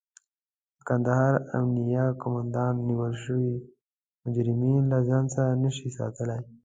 د کندهار امنيه قوماندان نيول شوي مجرمين له ځان سره نشي ساتلای.